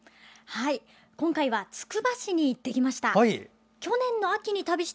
今回はつくば市に行ってきました。